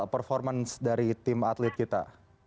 performance dari tim atlet kita